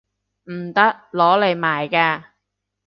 唔得！攞嚟賣㗎